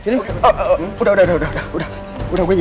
itu rintang cuaca di dunia ini